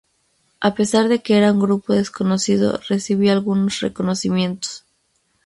A pesar de que era un grupo desconocido, recibió algunos reconocimientos.